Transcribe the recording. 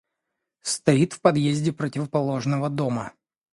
Стоит в подъезде противоположного дома.